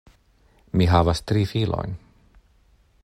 Mi havas tri filojn.